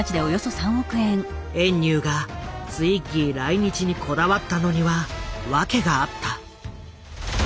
遠入がツイッギー来日にこだわったのには訳があった。